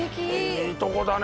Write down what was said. いいとこだね！